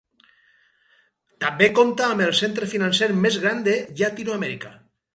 També compta amb el centre financer més gran de Llatinoamèrica.